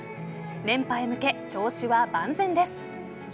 連覇へ向け、調子は万全です。